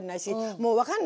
もう分かんない。